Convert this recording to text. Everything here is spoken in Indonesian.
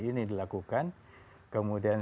ini dilakukan kemudian